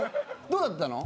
どうだったの？